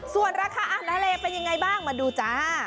ส่วนราคาอาหารทะเลเป็นยังไงบ้างมาดูจ้า